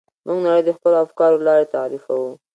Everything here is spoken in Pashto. موږ نړۍ د خپلو افکارو له لارې تعریفوو.